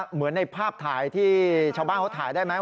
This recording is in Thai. เหมือนในภาพถ่ายที่ชาวบ้านเขาถ่ายได้ไหม